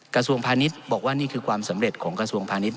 กระทรวงพาณิชย์บอกว่านี่คือความสำเร็จของกระทรวงพาณิชย